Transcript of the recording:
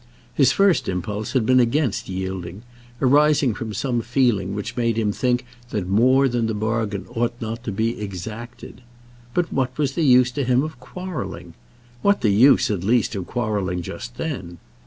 His first impulse had been against yielding, arising from some feeling which made him think that more than the bargain ought not to be exacted. But what was the use to him of quarrelling? What the use, at least, of quarrelling just then?